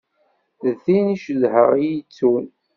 D tin i cedheɣ i yi-ittun.